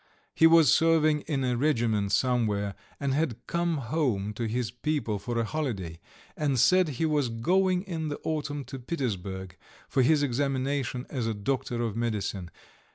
He was serving in a regiment somewhere, and had come home to his people for a holiday, and said he was going in the autumn to Petersburg for his examination as a doctor of medicine.